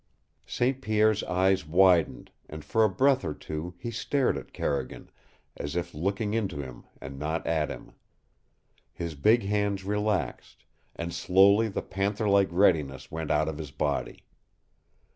St. Pierre's eyes widened, and for a breath or two he stared at Carrigan, as if looking into him and not at him. His big hands relaxed, and slowly the panther like readiness went out of his body.